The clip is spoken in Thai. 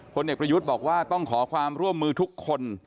เด็กประยุทธ์บอกว่าต้องขอความร่วมมือทุกคน